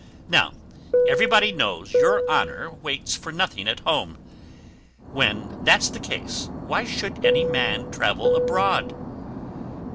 Now, everybody knows your honour wants for nothing at home; when that's the case, why should any man travel abroad?"